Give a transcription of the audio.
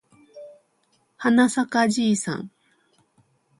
はなさかじいさん